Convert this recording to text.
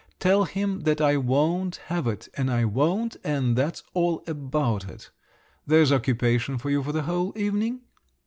Tell him that I won't have it, and I won't and that's all about it! There's occupation for you for the whole evening."